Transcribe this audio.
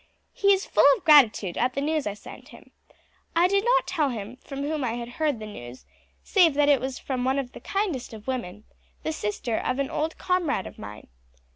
He is full of gratitude at the news I sent him. I did not tell him from whom I had heard the news, save that it was from one of the kindest of women, the sister of an old comrade of mine.